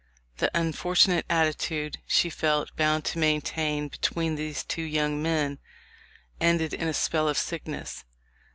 The unfortunate attitude she felt bound to maintain between these two young men ended in a spell of sickness.